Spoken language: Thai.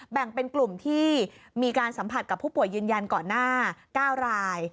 แบ่งเป็นกลุ่มที่มีการสัมผัสกับผู้ป่วยยืนยันก่อนหน้า๙ราย